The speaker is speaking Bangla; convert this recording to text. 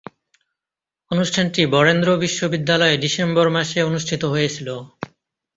অনুষ্ঠানটি বরেন্দ্র বিশ্ববিদ্যালয়ে ডিসেম্বর মাসে অনুষ্ঠিত হয়েছিলো।